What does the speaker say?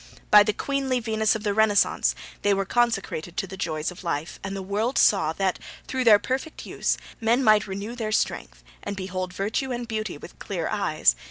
By the queenly Venus of the Renaissance they were consecrated to the joys of life, and the world saw that through their perfect use men might renew their strength, and behold virtue and beauty with clear eyes.